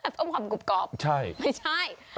เพราะความกรบใช่ไม่ใช่